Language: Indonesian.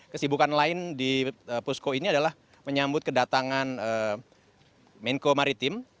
kesibukan lain di pusko ini adalah menyambut kedatangan menko maritim